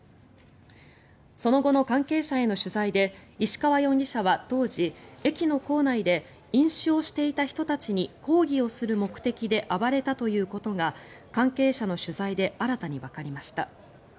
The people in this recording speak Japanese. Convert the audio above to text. その後の関係者への取材で石川容疑者は当時、駅の構内で飲酒をしていた人たちに抗議をする目的で暴れたということが関係者の取材で新たにわかりました。